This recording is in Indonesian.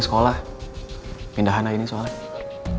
sekolah pindahan hari ini soalnya